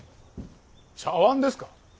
茶碗ですか？